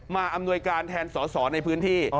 อำนวยการแทนสอสอในพื้นที่